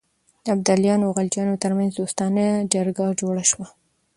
د ابدالیانو او غلجیانو ترمنځ دوستانه جرګه جوړه شوه.